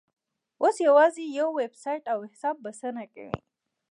اوس یوازې یو ویبسایټ او حساب بسنه کوي.